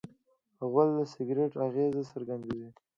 غول د سګرټ اغېز څرګندوي.